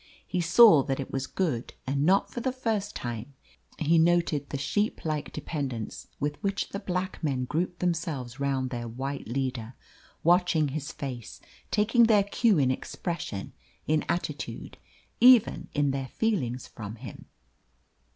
He saw that it was good and not for the first time he noted the sheep like dependence with which the black men grouped themselves round their white leader, watching his face, taking their cue in expression, in attitude, even in their feelings from him.